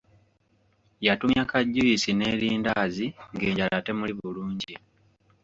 Yatumya ka juyisi n'erindaazi ng'enjala temuli bulungi.